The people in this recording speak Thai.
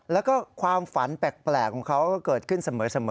แล้วก็ความฝันแปลกของเขาก็เกิดขึ้นเสมอ